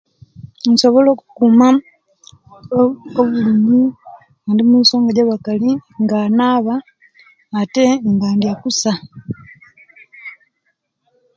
Nsobola okukuuma obulumi nga ndi omusonga gya'bakali nga nnaaba ate nga ndya kusa.